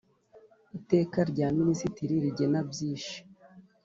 Iteka rya Minisitiri rigena byishi.